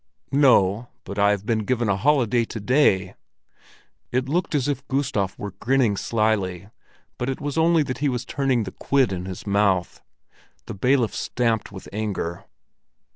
"No, but I have been given a holiday to day." It looked as if Gustav were grinning slyly, but it was only that he was turning the quid in his mouth. The bailiff stamped with anger.